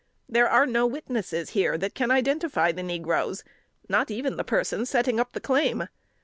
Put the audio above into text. There are no witnesses here that can identify the negroes not even the person setting up the claim.